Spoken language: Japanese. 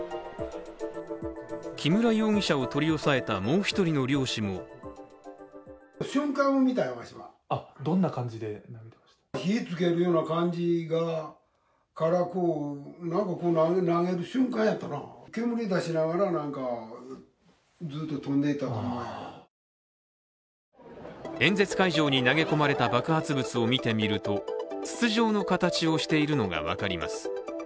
木村容疑者を取り押さえたもう一人の漁師も演説会場に投げ込まれた爆発物を見てみると筒状の形をしているのが分かります。